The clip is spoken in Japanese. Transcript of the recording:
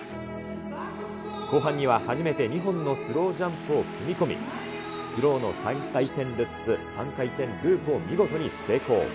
後半には初めて２本のスロージャンプを組み込み、スローの３回転ルッツ、３回転ループを見事に成功。